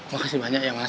makasih banyak ya mas